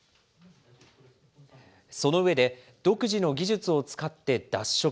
その上で、独自の技術を使って脱色。